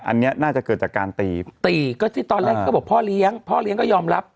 อันนี้น่าจะเกิดจากการตีตีก็ที่ตอนแรกก็บอกพ่อเลี้ยงพ่อเลี้ยงก็ยอมรับ